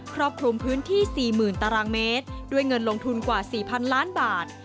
ครอบคลุมพื้นที่๔๐๐๐ตารางเมตรด้วยเงินลงทุนกว่า๔๐๐๐ล้านบาท